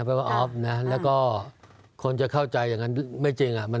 แปลว่าออฟนะแล้วก็คนจะเข้าใจอย่างนั้นไม่จริง